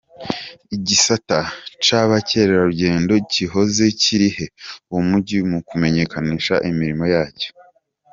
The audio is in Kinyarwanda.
Igisata c'abakerarugendo kizoheza kirihe uwo mugwi mu kumenyekanisha imirimo yaco.